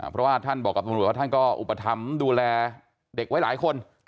เพราะว่าท่านบอกกับตำรวจว่าท่านก็อุปถัมภ์ดูแลเด็กไว้หลายคน